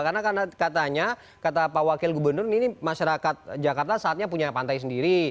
karena katanya kata pak wakil gubernur ini masyarakat jakarta saatnya punya pantai sendiri